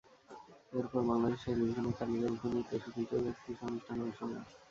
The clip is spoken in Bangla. এরপর বাংলাদেশ টেলিভিশনের তালিকাভুক্ত নৃত্যশিল্পী হিসেবে বেশ কিছু অনুষ্ঠানে অংশ নেন।